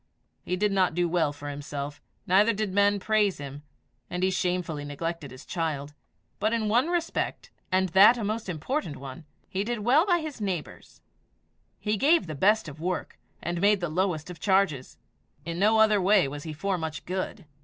He did not do well for himself, neither did men praise him; and he shamefully neglected his child; but in one respect, and that a most important one, he did well by his neighbours: he gave the best of work, and made the lowest of charges. In no other way was he for much good.